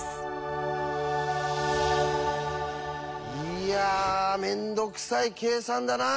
いや面倒くさい計算だなあ。